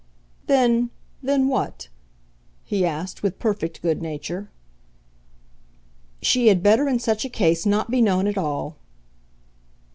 "Then, then what?" he asked with perfect good nature. "She had better in such a case not be known at all."